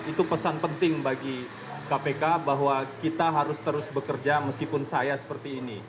itu pesan penting bagi kpk bahwa kita harus terus bekerja meskipun saya seperti ini